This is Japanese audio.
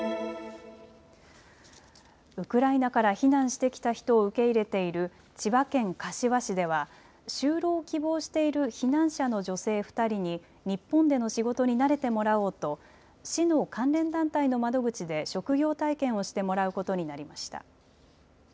ウクライナから避難してきた人を受け入れている千葉県柏市では就労を希望している避難者の女性２人に日本での仕事に慣れてもらおうと市の関連団体の窓口で職業体験をしてもらうことになりました。